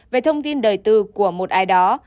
về thông tin đời tư của một ai đó